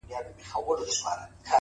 هوښیار انسان د اورېدو فرصت نه بایلي